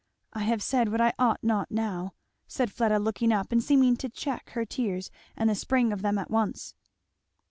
I have said what I ought not now," said Fleda looking up and seeming to check her tears and the spring of them at once.